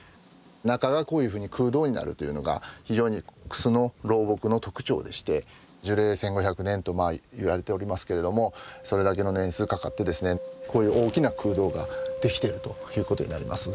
中がこういうふうに空洞になるというのが非常にクスの老木の特徴でして樹齢１，５００年といわれておりますけれどもそれだけの年数かかってですねこういう大きな空洞ができてるということになります。